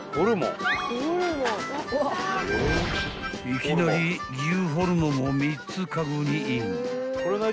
［いきなり牛ホルモンを３つカゴにイン］